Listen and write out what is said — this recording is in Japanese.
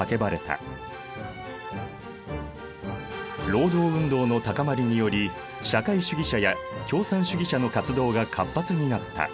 労働運動の高まりにより社会主義者や共産主義者の活動が活発になった。